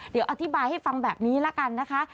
เดี๋ยวอธิบายให้ฟังแบบนี้ละกันนะคะ